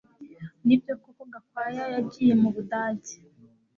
Nibyo koko Gakwaya yagiye mubudage